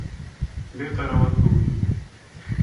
Bê qerewat bû.